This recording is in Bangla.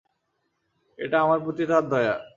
এটা আমার তার প্রতি দয়া।